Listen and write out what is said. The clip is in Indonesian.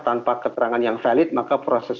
tanpa keterangan yang valid maka proses